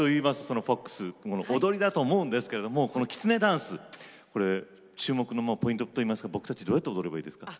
そのＦｏｘ踊りだと思うんですけれどもこのきつねダンスこれ注目のポイントといいますか僕たちどうやって踊ればいいですか？